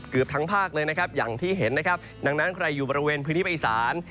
เกือบทั้งภาคเลยนะครับอย่างที่เห็นนะครับดังนั้นใครอยู่บริเวณพื้นที่ภาคอีสาน